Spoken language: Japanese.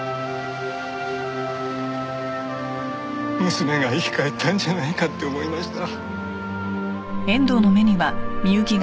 娘が生き返ったんじゃないかって思いました。